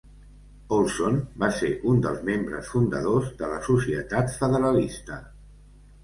Olson va ser un dels membres fundadors de la societat federalista.